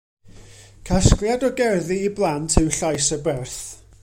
Casgliad o gerddi i blant yw Llais y Berth.